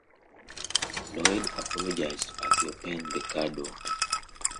Floyd apologized as he opened the car door.